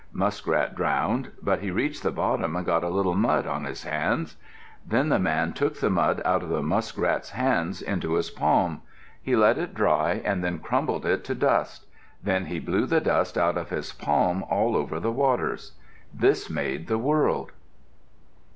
Muskrat drowned, but he reached the bottom and got a little mud on his hands. Then the man took the mud out of the muskrat's hands into his palm. He let it dry and then crumbled it to dust. Then he blew the dust out of his palm all over the waters. This made the world.